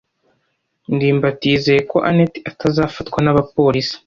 ndimbati yizeye ko anet atazafatwa n’abapolisi.